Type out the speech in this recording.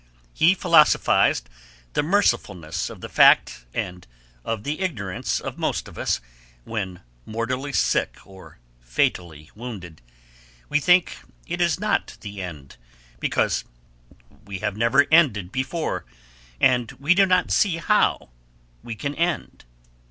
He philosophized the mercifulness of the fact, and of the ignorance of most of us, when mortally sick or fatally wounded. We think it is not the end, because we have never ended before, and we do not see how we can end.